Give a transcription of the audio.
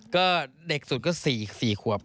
ก็เด็กสุดก็สี่สี่ขวบ